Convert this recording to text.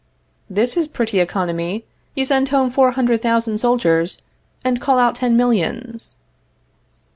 This is pretty economy! You send home four hundred thousand soldiers and call out ten millions.